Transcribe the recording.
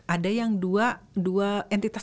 ada yang dua entitas